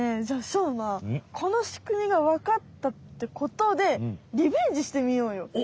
じゃあしょうまこのしくみがわかったってことでリベンジしてみようよ！